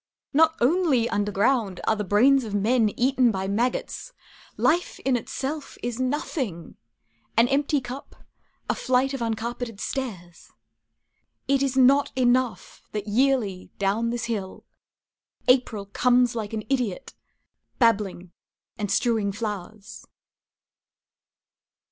Not only under ground are the brains of men Eaten by maggots. Life in itself Is nothing, An empty cup, a flight of uncarpeted stairs. It is not enough that yearly, down this hill, April Comes like an idiot, babbling and strewing flowers.